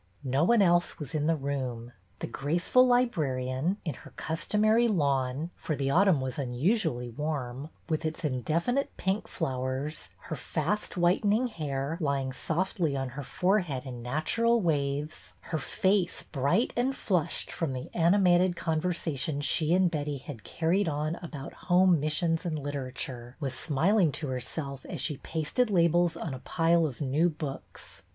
No one else was in the room. The graceful librarian, in her customary lawn, — for the au tumn was unusually warm, — with its indefinite pink flowers, her fast whitening hair lying softly on her forehead in natural waves, her face bright and flushed from the animated conversation she and Betty had carried on about Home Missions and Literature, was smiling to herself as she pasted labels on a pile of new books.